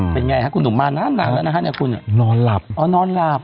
เป็นไงฮะคุณหนุ่มมานานแล้วนะฮะเนี่ยคุณนอนหลับอ๋อนอนหลับ